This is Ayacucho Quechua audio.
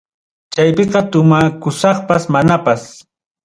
Chaypicha tomakusaqpas manapas.